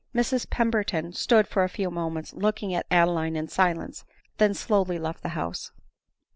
Mrs Pemberton stood for a few moments looking at Adeline in silence, then slowly left the house.